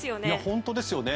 本当ですよね。